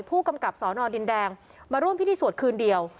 ผู้กำกับสอนอดินแดงมาร่วมพิธีสวดคืนเดียว